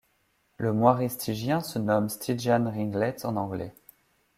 Le Moiré stygien se nomme Stygian Ringlet en anglais.